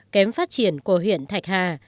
kém phát triển của huyện thạch hà